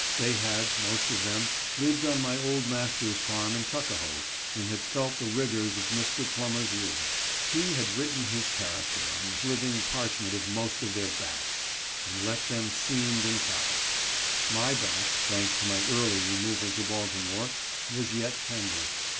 They had — most of them — lived on my old master's farm in Tuckahoe, and had felt the rigors of Mr. Plummer's rule. He had written his character on the living parchment of most of their backs, and left them seamed and callous ; my back (thanks to my early removal to Baltimore) was yet tender.